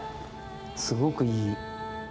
すごくいい。